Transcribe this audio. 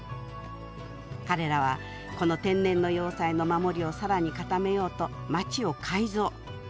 彼らはこの「天然の要塞」の守りをさらに固めようと街を改造。